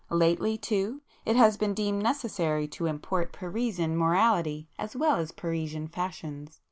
Lately too, it has been deemed necessary to import Parisian morality as well as Parisian fashions.